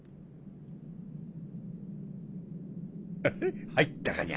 ウフっ入ったかにゃ？